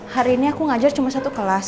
hari ini aku ngajar cuma satu kelas